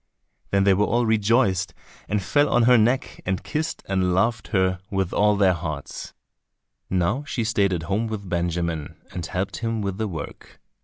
Then they were all rejoiced, and fell on her neck, and kissed and loved her with all their hearts. Now she stayed at home with Benjamin and helped him with the work.